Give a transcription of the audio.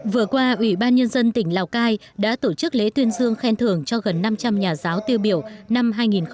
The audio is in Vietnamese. vừa qua ủy ban nhân dân tỉnh lào cai đã tổ chức lễ tuyên dương khen thưởng cho gần năm trăm linh nhà giáo tiêu biểu năm hai nghìn một mươi chín